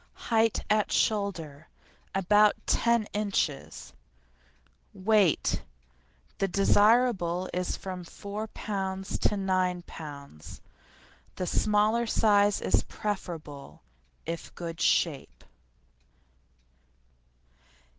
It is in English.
HEIGHT AT SHOULDER About ten inches. WEIGHT The size desirable is from 4 lb. to 9 lb. The smaller size is preferable if good shape.